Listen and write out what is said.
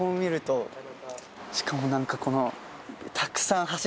しかも何かこの。